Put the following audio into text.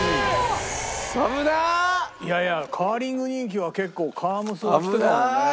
いやいやカーリング人気は結構カー娘がきてたもんね。